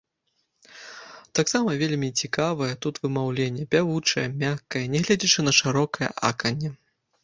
Таксама вельмі цікавае тут вымаўленне, пявучае, мяккае, нягледзячы на шырокае аканне.